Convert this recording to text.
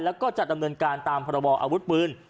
แล้วก็จะดำเนินการตามพรบออาวุธปืน